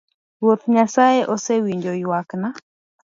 Ruoth nyasaye ose winjo ywakna.